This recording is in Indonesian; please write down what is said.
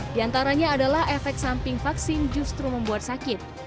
di antaranya adalah efek samping vaksin justru membuat sakit